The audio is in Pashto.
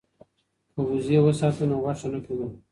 که وزې وساتو نو غوښه نه کمیږي.